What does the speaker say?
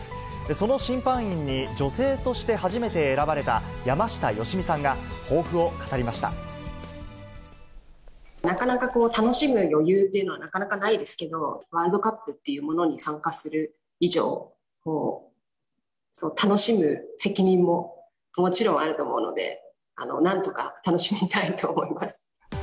その審判員に女性として初めて選ばれた山下良美さんが、抱負を語なかなか楽しむ余裕というのは、なかなかないですけど、ワールドカップというものに参加する以上、楽しむ責任ももちろんあると思うので、なんとか楽しみたいと思います。